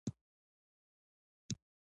د غوښې چرګان څو ورځو کې لویږي؟